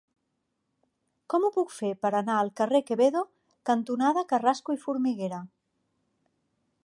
Com ho puc fer per anar al carrer Quevedo cantonada Carrasco i Formiguera?